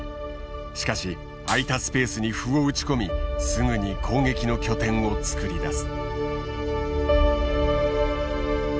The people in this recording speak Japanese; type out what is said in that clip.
しかし空いたスペースに歩を打ち込みすぐに攻撃の拠点を作り出す。